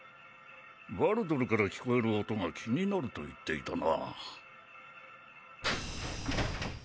ヴァルドルから聞こえる音が気になると言っていたな。